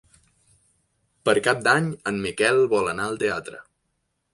Per Cap d'Any en Miquel vol anar al teatre.